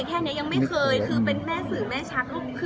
แค่นี้ยังไม่เคยคือเป็นแม่สื่อแม่ชัก